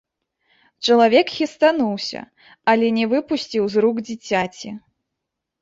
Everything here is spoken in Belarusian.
Чалавек хістануўся, але не выпусціў з рук дзіцяці.